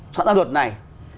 sẵn sàng luật này